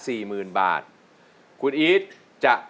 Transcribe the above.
สู้สู้สู้สู้